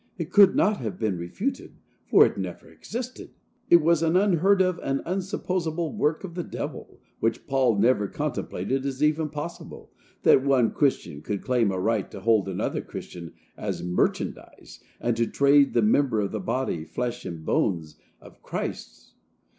It could not have been refuted, for it never existed. It was an unheard of and unsupposable work of the devil, which Paul never contemplated as even possible, that one Christian could claim a right to hold another Christian as merchandise, and to trade in the "member of the body, flesh and bones" of Christ.